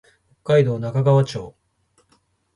北海道中川町